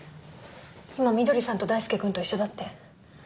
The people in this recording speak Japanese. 今翠さんと大輔君と一緒だって。